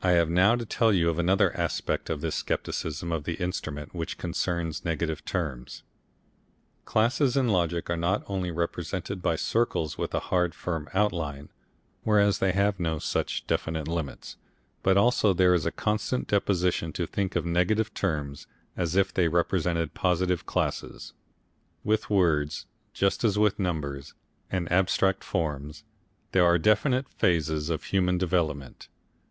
I have now to tell you of another aspect of this scepticism of the instrument which concerns negative terms. Classes in logic are not only represented by circles with a hard firm outline, whereas they have no such definite limits, but also there is a constant disposition to think of negative terms as if they represented positive classes. With words just as with numbers and abstract forms there are definite phases of human development.